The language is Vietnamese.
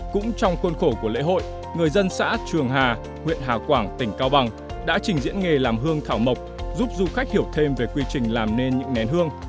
cũng trong khuôn khổ của lễ hội người dân xã trường hà huyện hà quảng tỉnh cao bằng đã trình diễn nghề làm hương thảo mộc giúp du khách hiểu thêm về quy trình làm nên những nén hương